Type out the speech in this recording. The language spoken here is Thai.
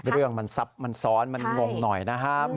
เรื่องมันซ้อนมันงงหน่อยนะครับ